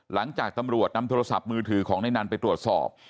หลังจากตำรวจนำโทรศัพท์มือถือของในนั้นไปตรวจสอบ